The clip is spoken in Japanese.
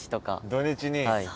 土日に。